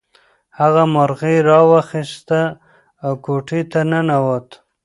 هغه مرغۍ راواخیسته او کوټې ته ننووت.